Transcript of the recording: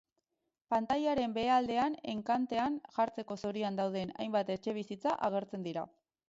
Pantailaren behealdean enkantean jartzeko zorian dauden hainbat etxebizitza agertzen dira.